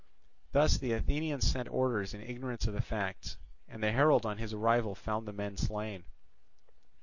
Thus the Athenians sent orders in ignorance of the facts; and the herald on his arrival found the men slain.